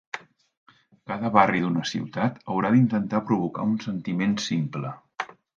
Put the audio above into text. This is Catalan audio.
Cada barri d'una ciutat haurà d'intentar provocar un sentiment simple